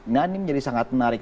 nah ini menjadi sangat menarik